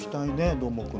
どーもくん。